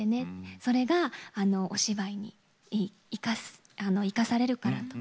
それが、お芝居に生かされるからと。